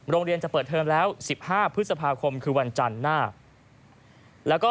โรงเรียนจะเปิดเทอมแล้ว๑๕พฤษภาคมคือวันจันทร์หน้าแล้วก็